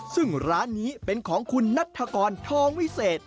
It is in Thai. ซึ่งร้านนี้เป็นของคุณนัฐกรทองวิเศษ